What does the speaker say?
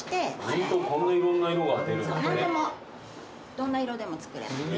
どんな色でも作れます。